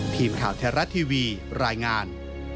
ทีมข่าวไทยรัฐทีวีรายงาน